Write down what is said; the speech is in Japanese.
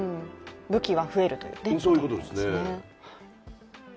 武器が増えるということですね。